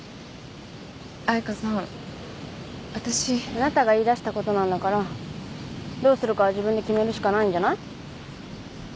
あなたが言いだしたことなんだからどうするかは自分で決めるしかないんじゃない？